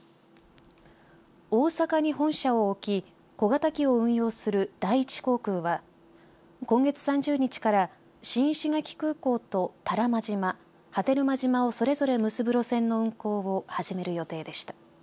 大阪に本社を置き小型機を運用する第一航空は今月３０日から新石垣空港と多良間島波照間島をそれぞれ結ぶ路線の運航を始める予定でした。